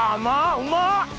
うまっ！